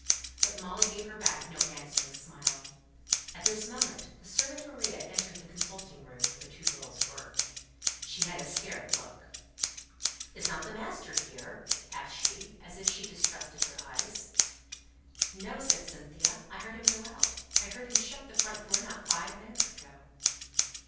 But Molly gave her back no answering smile. At this moment, the servant Maria entered the consulting room, where the two girls were. She had a scared look. "Isn't master here?" asked she, as if she distrusted her eyes. "No!" said Cynthia. "I heard him go out. I heard him shut the front door not five minutes ago."